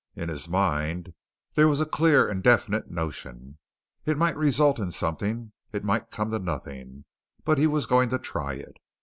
In his mind there was a clear and definite notion. It might result in something; it might come to nothing, but he was going to try it.